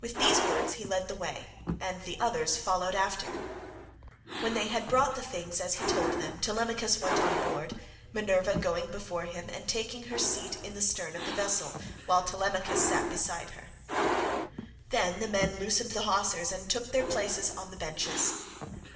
With these words he led the way and the others followed after. When they had brought the things as he told them, Telemachus went on board, Minerva going before him and taking her seat in the stern of the vessel, while Telemachus sat beside her. Then the men loosed the hawsers and took their places on the benches.